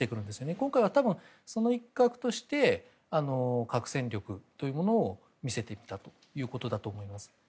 今回は、その一角として核戦力というものを見せてきたということだと思います。